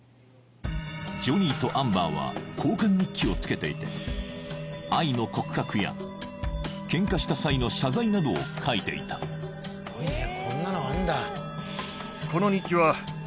ジョニーとアンバーは交換日記をつけていて愛の告白やケンカした際の謝罪などを書いていたそうですね